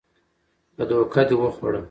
که دوکه دې وخوړه